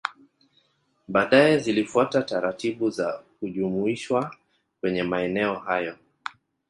Baadae zilifuata taratibu za kujumuishwa kwenye maeneo hayo